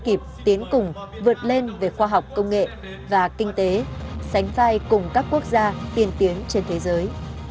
kịp tiến cùng vượt lên về khoa học công nghệ và kinh tế sánh vai cùng các quốc gia tiên tiến trên thế giới